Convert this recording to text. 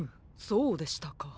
そうでしたか。